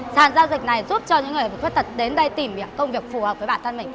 sàn giao dịch này giúp cho những người khuyết tật đến đây tìm công việc phù hợp với bản thân mình